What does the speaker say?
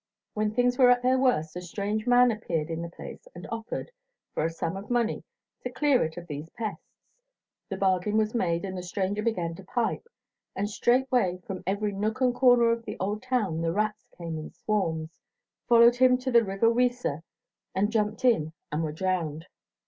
When things were at their worst a strange man appeared in the place and offered, for a sum of money, to clear it of these pests. The bargain was made and the stranger began to pipe; and straightway, from every nook and corner in the old town, the rats came in swarms, followed him to the river Weser and jumped in and were drowned.